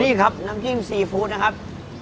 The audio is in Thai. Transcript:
นี่ครับน้ำจิ้มซีฟู้ดนะครับ